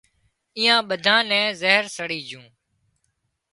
ايئان ٻڌانئين نين زهر سڙي جھون